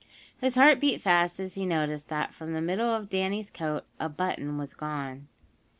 His heart beat fast as he noticed that from the middle of Danny's coat a button was gone.